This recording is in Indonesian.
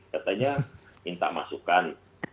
katanya minta masukan